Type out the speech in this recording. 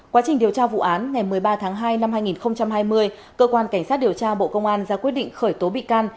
quá trình điều tra vụ án ngày một mươi ba tháng hai năm hai nghìn hai mươi cơ quan cảnh sát điều tra bộ công an ra quyết định khởi tố bị can